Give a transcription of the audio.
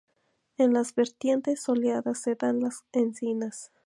En las vertientes soleadas se dan las encinas.